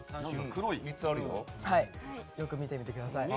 よく見てみてください。